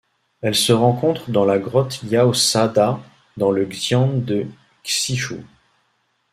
Elle se rencontre dans la grotte Yaosa Da dans le xian de Xichou.